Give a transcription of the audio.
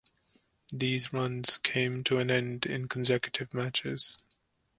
These runs came to an end in consecutive matches.